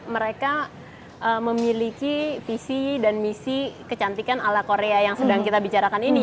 mereka memiliki visi dan misi kecantikan ala korea yang sedang kita bicarakan ini